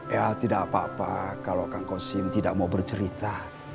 ya tidak apa apa kalau kang kosim tidak mau bercerita